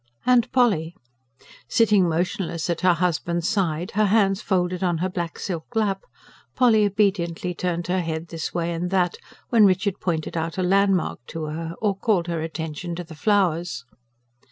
And Polly? Sitting motionless at her husband's side, her hands folded on her black silk lap, Polly obediently turned her head this way and that, when Richard pointed out a landmark to her, or called her attention to the flowers.